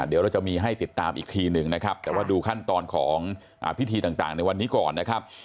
เดี๋ยวเราจะมีให้ติดตามอีกทีหนึ่งนะครับแต่ว่าดูขั้นตอนของพิธีต่างในวันนี้ก่อนนะครับ